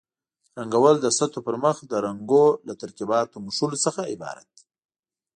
رنګول د سطحو پرمخ د رنګونو له ترکیباتو مښلو څخه عبارت دي.